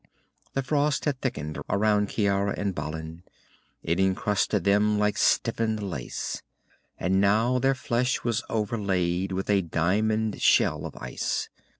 The frost had thickened around Ciara and Balin. It encrusted them like stiffened lace, and now their flesh was overlaid with a diamond shell of ice.